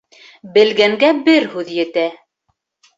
Белгәнгә бер һүҙ етә.